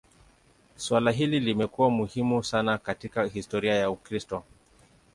Suala hili limekuwa muhimu sana katika historia ya Ukristo.